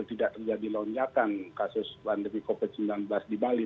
tidak terjadi lonjakan kasus pandemi covid sembilan belas di bali